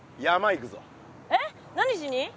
えっ何しに？